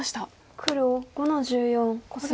黒５の十四コスミ。